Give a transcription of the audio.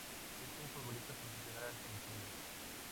Es un futbolista profesional argentino.